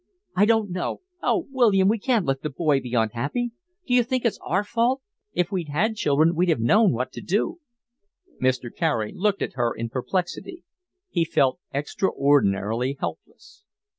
"I don't know…. Oh, William, we can't let the boy be unhappy. D'you think it's our fault? If we'd had children we'd have known what to do." Mr. Carey looked at her in perplexity. He felt extraordinarily helpless.